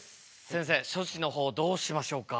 先生処置の方どうしましょうか？